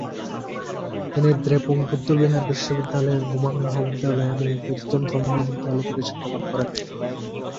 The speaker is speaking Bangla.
তিনি দ্রেপুং বৌদ্ধবিহার বিশ্ববিদ্যালয়ের গোমাং মহাবিদ্যালয় এবং গ্যুতো তন্ত্র মহাবিদ্যালয় থেকে শিক্ষালাভ করেন।